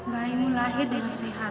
bayimu lahir dengan sehat